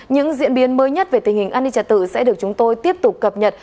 những diễn biến mới nhất về tình hình an ninh trật tự sẽ được chúng tôi tiếp tục cập nhật